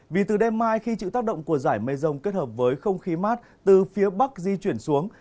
vì từ đêm mai khi chịu tác động của giải mây rông kết hợp với không khí mát từ phía bắc di chuyển xuống